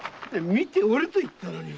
見ておれと言ったのに。